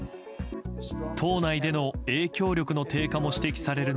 党内での影響力の低下も指摘される